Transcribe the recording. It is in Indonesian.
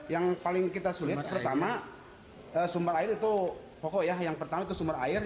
yang paling kita sulit pertama sumber air itu pokok ya yang pertama itu sumber air